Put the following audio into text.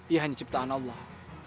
ia hanya ciptaan allah